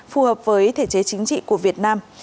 phù hợp với thể chế chính trị của việt nam